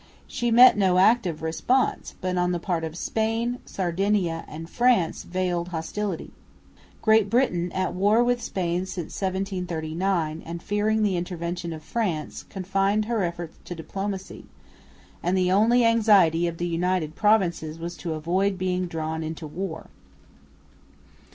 She met no active response, but on the part of Spain, Sardinia and France veiled hostility. Great Britain, at war with Spain since 1739, and fearing the intervention of France, confined her efforts to diplomacy; and the only anxiety of the United Provinces was to avoid being drawn into war.